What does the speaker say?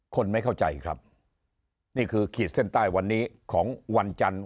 คนไม่เข้าใจครับนี่คือขีดเส้นใต้วันนี้ของวันจันทร์